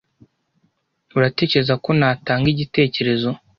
Uratekereza ko natanga igitekerezo?